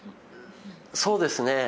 そうですね。